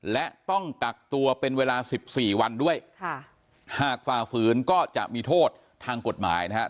และต้องกักตัวเป็นเวลาสิบสี่วันด้วยค่ะหากฝ่าฝืนก็จะมีโทษทางกฎหมายนะครับ